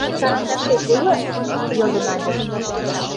— Карандашет уло? — йодо Надя.